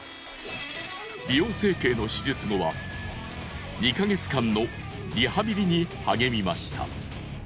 美容整形の手術後は２ヵ月間のリハビリに励みました。